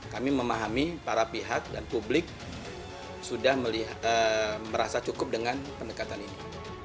kami memahami para pihak dan publik sudah merasa cukup dengan pendekatan ini